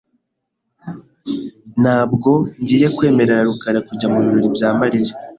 Ntabwo ngiye kwemerera rukara kujya mubirori bya Mariya .